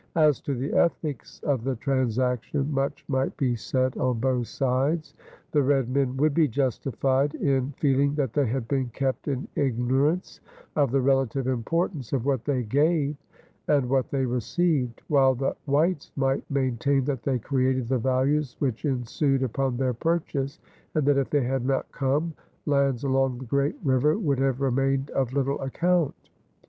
As to the ethics of the transaction, much might be said on both sides. The red men would be justified in feeling that they had been kept in ignorance of the relative importance of what they gave and what they received, while the whites might maintain that they created the values which ensued upon their purchase and that, if they had not come, lands along the Great River would have remained of little account.